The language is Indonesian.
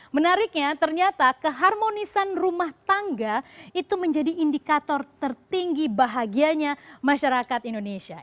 menariknya ternyata keharmonisan rumah tangga itu menjadi indikator tertinggi bahagianya masyarakat indonesia